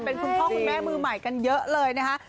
เป็นคุณพ่อคุณแม่มือใหม่กันเยอะเลยนะคะ